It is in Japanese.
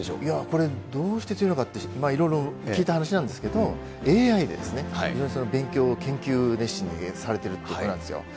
これ、どうして強いのかって、いろいろ聞いた話なんですけど、ＡＩで勉強、研究を熱心にされてるってことなんですよ。